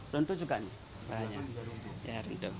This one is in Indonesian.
runtuh juga ini